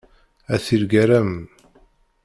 A tirgara-m!